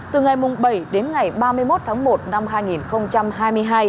từ ngày bảy đến ngày ba mươi một tháng một năm hai nghìn hai mươi hai